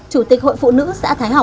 chủ tịch hội phụ nữ xã thái học